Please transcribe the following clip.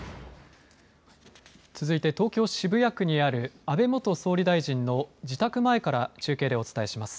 続いて東京、渋谷区にある安倍元総理大臣の自宅前から中継でお伝えします。